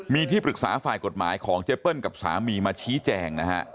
มีที่ปรึกษาฝ่ายกฎหมายของเจเปิ้ลกับสามีมาชี้แจงนะฮะ